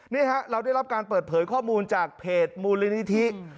นี่ฮะเราได้รับการเปิดเผยข้อมูลจากเพจมูลนิธิ